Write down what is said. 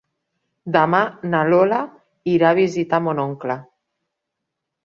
Demà na Lola irà a visitar mon oncle.